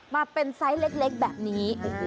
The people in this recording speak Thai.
มาเป็นไซส์เล็กแบบนี้